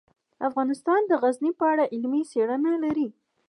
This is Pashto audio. افغانستان د غزني په اړه علمي څېړنې لري.